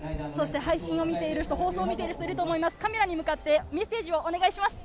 配信を見ている人、放送を見ている人、カメラに向かってメッセージをお願いします。